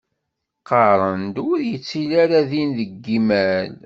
Qqaren-d ur yettili ara ddin deg yimal.